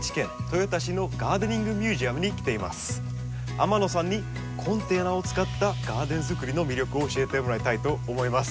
天野さんにコンテナを使ったガーデンづくりの魅力を教えてもらいたいと思います。